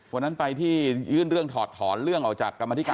วันนั้นไปที่ยื่นเรื่องถอดถอนเรื่องออกจากกรรมธิการ